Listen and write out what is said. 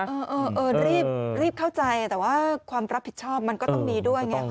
เออรีบเข้าใจแต่ว่าความรับผิดชอบมันก็ต้องมีด้วยไง